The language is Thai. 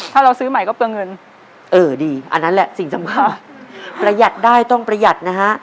ถ้าเราซื้อใหม่ก็เปลืองเงินเออดีอันนั้นแหละสิ่งสำคัญประหยัดได้ต้องประหยัดนะฮะ